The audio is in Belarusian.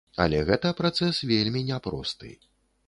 Але гэта працэс вельмі няпросты.